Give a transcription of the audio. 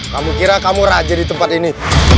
kamu kira kamu raja di tempat ini